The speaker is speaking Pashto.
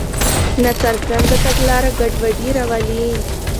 ناڅرګنده تګلاره ګډوډي راولي.